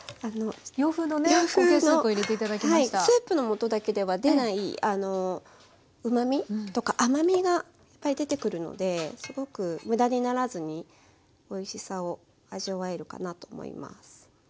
スープの素だけでは出ないうまみとか甘みがいっぱい出てくるのですごく無駄にならずにおいしさを味わえるかなと思います。